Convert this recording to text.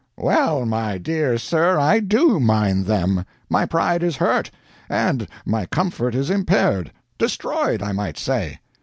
"Well, my dear sir, I DO mind them. My pride is hurt, and my comfort is impaired destroyed, I might say.